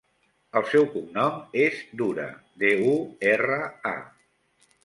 El seu cognom és Dura: de, u, erra, a.